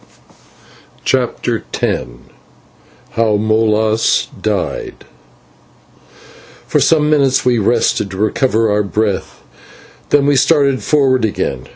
CHAPTER X HOW MOLAS DIED For some few minutes we rested to recover our breath, then we started forward again.